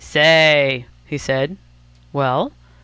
"Say!" he said. "Well?"